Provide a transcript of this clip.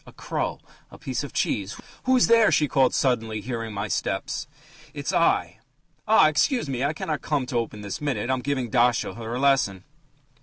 A crow ... A piece of cheese ... Who's there?" she called suddenly, hearing my steps. "It's I." "Ah! Excuse me, I cannot come out to open this minute; I'm giving Dasha her lesson."